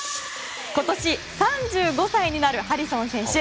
今年３５歳になるハリソン選手。